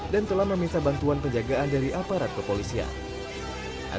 dan telah meminta bantuan penjagaan dari aparat kepolisian